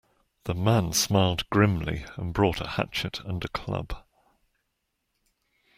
The man smiled grimly, and brought a hatchet and a club.